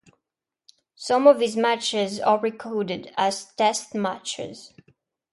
Some of these matches are recorded as Test matches.